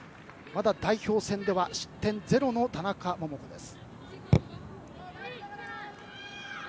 まだ代表戦では失点ゼロの田中桃子です。